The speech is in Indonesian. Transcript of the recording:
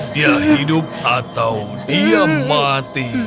dia hidup atau dia mati